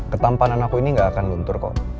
ketampanan aku ini gak akan luntur kok